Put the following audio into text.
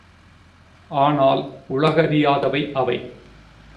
ஆனால், உலகறியாதவை அவை.